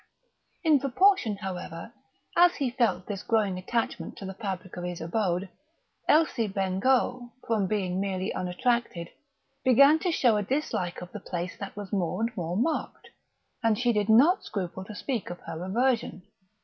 In proportion, however, as he felt this growing attachment to the fabric of his abode, Elsie Bengough, from being merely unattracted, began to show a dislike of the place that was more and more marked. And she did not scruple to speak of her aversion.